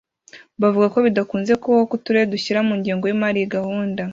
Bavuga ko bidakunze kubaho ko uturere dushyira mu ngengo y’imari iyi gahunda